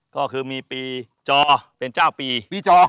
ก็คือมีปีจอเป็นเจ้าปีปีจอ